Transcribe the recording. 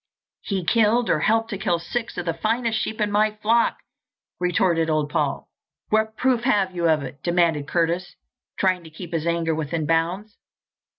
"He killed or helped to kill six of the finest sheep in my flock!" retorted old Paul. "What proof have you of it?" demanded Curtis, trying to keep his anger within bounds.